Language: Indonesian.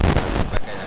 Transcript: nah masih telah